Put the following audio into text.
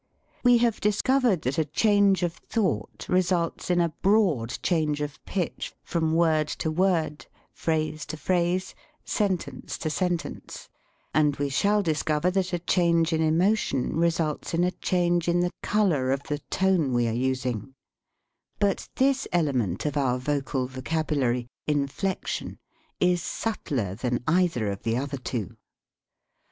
We have discovered that a change of thought results in a broad change of pitch from word to word, phrase to phrase, sentence to sentence, and we shall discover that a change in emo tion results in a change in the color of the tone we are using; but this element of our vocal vocabulary, inflection, is subtler than. 55 THE SPEAKING VOICE either of the other two.